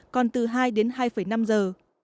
còn từ hai đến hai năm giờ